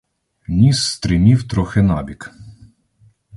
Ніс стримів трохи набік.